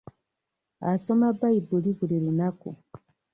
Asoma bayibuli buli lunaku.